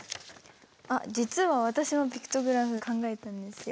あっ実は私もピクトグラム考えたんですよ。